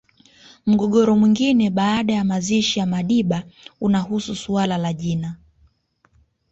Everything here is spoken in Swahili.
Mgogoro mwingine baada ya mazishi ya Madiba unahusu suala la jina